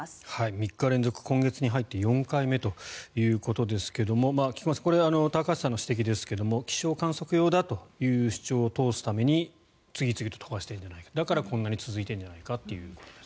３日連続、今月に入って４回目ということですが菊間さんこれは高橋さんの指摘ですが気象観測用だという主張を通すために次々と飛ばしているんじゃないかだからこんなに続いているのではないかということです。